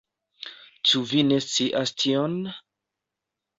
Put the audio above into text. Ĉu vi ne scias tion?